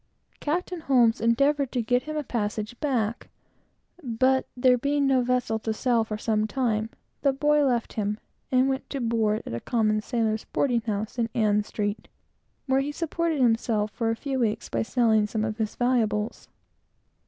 Captain Holmes endeavored to get him a passage back, but there being no vessel to sail for some time, the boy left him, and went to board at a common sailor's boarding house, in Ann street, where he supported himself for a few weeks by selling some of his valuables.